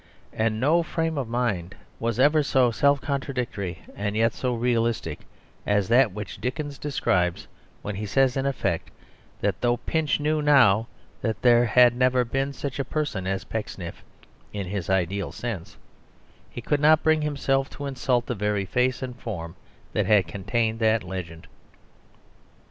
And no frame of mind was ever so self contradictory and yet so realistic as that which Dickens describes when he says, in effect, that, though Pinch knew now that there had never been such a person as Pecksniff, in his ideal sense, he could not bring himself to insult the very face and form that had contained the legend.